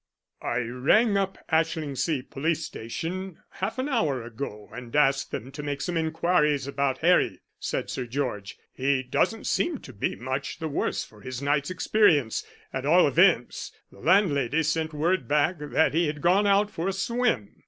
"I rang up Ashlingsea police station half an hour ago and asked them to make some inquiries about Harry," said Sir George. "He doesn't seem to be much the worse for his night's experience. At all events, the landlady sent word back that he had gone out for a swim."